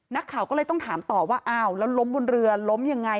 นักข่าวก็เลยต้องถามต่อว่าอ้าวแล้วล้มบนเรือล้มยังไง